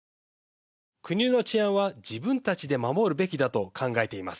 国の治安は自分たちで守るべきだと考えています。